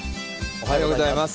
おはようございます。